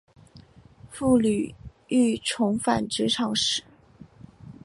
妇女欲重返职场时